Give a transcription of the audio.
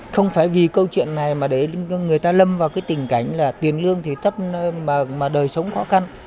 không phải vì câu chuyện này mà để người ta lâm vào cái tình cảnh là tiền lương thì tất mà đời sống khó khăn